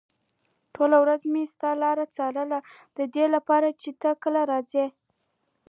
ټوله ورځ به مې ستا لاره څارله ددې لپاره چې ته کله راځې.